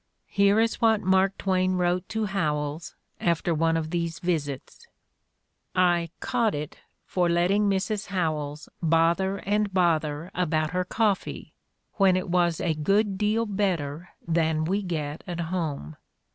Here is what Mark Twain wrote to Howells after one of these visits: "I 'caught it' for letting Mrs. Howells bother and bother about her coffee, when it was 'a good deal better than we get at home.'